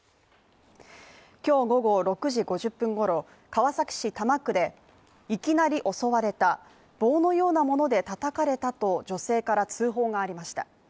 今日午後６時５０分ごろ、川崎市多摩区でいきなり襲われた棒のようなもので叩かれたと女性から通報がありました。